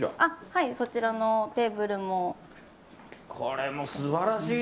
はい、そちらのテーブルも。